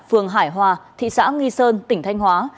phường hải hòa thị xã nghi sơn tỉnh thanh hóa